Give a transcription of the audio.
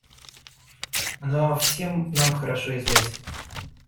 Она всем нам хорошо известна.